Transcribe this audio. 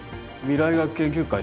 未来医学研究会。